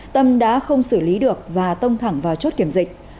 tâm đã không xử lý được và tông thẳng vào chốt kiểm dịch